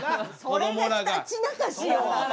それがひたちなか市よ！